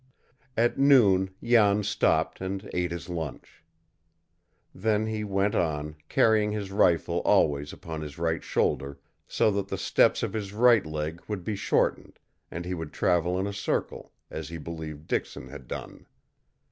At noon Jan stopped and ate his lunch. Then he went on, carrying his rifle always upon his right shoulder, so that the steps of his right leg would be shortened, and he would travel in a circle, as he believed Dixon had done.